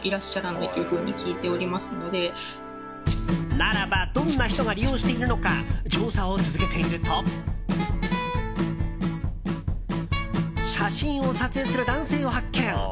ならば、どんな人が利用しているのか調査を続けていると写真を撮影する男性を発見。